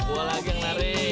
gue lagi yang lari